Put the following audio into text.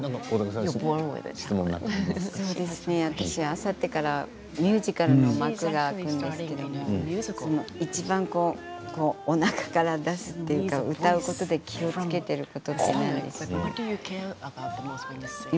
私、あさってからミュージカルの幕が開くんですけれどいちばん、おなかから出すというか歌うことで気をつけていることは何でしょうか？